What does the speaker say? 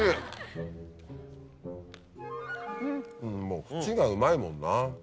もう縁がうまいもんな。